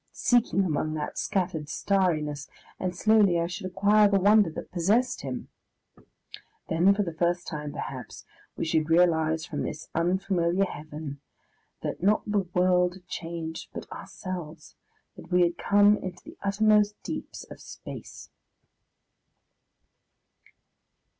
seeking among that scattered starriness, and slowly I should acquire the wonder that possessed him. Then, for the first time, perhaps, we should realise from this unfamiliar heaven that not the world had changed, but ourselves that we had come into the uttermost deeps of space.